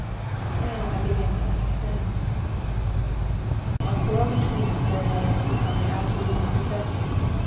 "' "Now I began to understand. "'A quarrel between us therefore has become an absolute necessity.